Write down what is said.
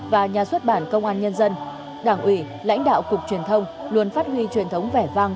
và nhà xuất bản công an nhân dân đảng ủy lãnh đạo cục truyền thông luôn phát huy truyền thống vẻ vang